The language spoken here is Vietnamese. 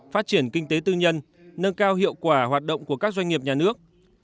phát triển kinh tế tư nhân nâng cao hiệu quả hoạt động của các doanh nghiệp nhà nước